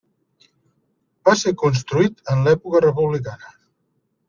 Va ser construït en l'època republicana.